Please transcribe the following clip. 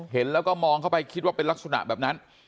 เห็นแล้วก็มองเข้าไปคิดว่าเป็นลักษณะแบบนั้น